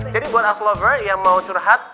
jadi buat axelover yang mau curhat